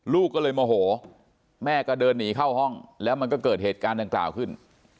ลูกก็เลยโมโหแม่ก็เดินหนีเข้าห้องแล้วมันก็เกิดเหตุการณ์ดังกล่าวขึ้น